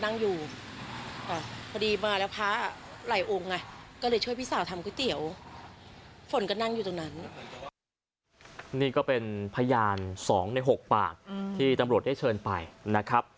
นี่ก็เป็นพยาน๒ใน๖ปากที่ตำรวจได้เชิญไปนะครับ